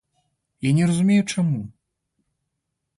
Я не разумею чаму.